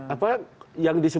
apa yang di